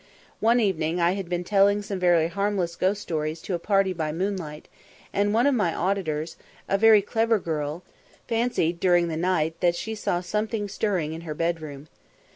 One evening I had been telling some very harmless ghost stories to a party by moonlight, and one of my auditors, a very clever girl, fancied during the night that she saw something stirring in her bed room.